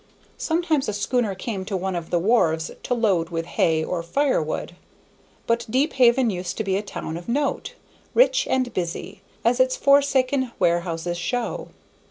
Sometimes a schooner came to one of the wharves to load with hay or firewood; but Deephaven used to be a town of note, rich and busy, as its forsaken warehouses show.